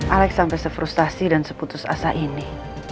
alex sampai sefrustasi dan seputus asa ini